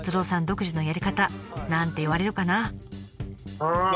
独自のやり方何て言われるかな？